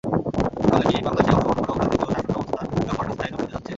তাহলে কি বাংলাদেশে অংশগ্রহণমূলক রাজনীতি ও শাসনব্যবস্থার সংকট স্থায়ী রূপ নিতে যাচ্ছে?